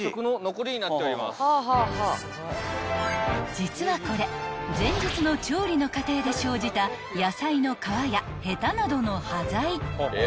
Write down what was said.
［実はこれ前日の調理の過程で生じた野菜の皮やへたなどの端材］